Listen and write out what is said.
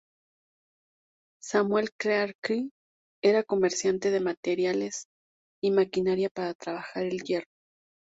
Samuel Clarke era comerciante de materiales y maquinaria para trabajar el hierro.